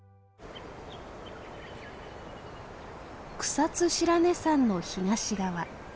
草津白根山の東側。